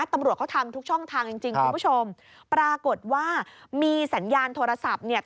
ตำรวจเขาทำทุกช่องทางจริงจริงคุณผู้ชมปรากฏว่ามีสัญญาณโทรศัพท์เนี่ย